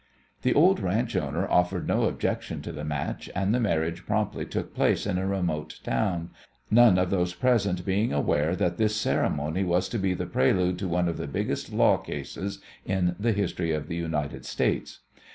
The old ranch owner offered no objection to the match, and the marriage promptly took place in a remote town, none of those present being aware that this ceremony was to be the prelude to one of the biggest law cases in the history of the United States.